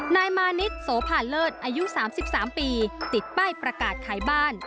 นายมานิดโสภาเลิศอายุ๓๓ปีติดป้ายประกาศขายบ้าน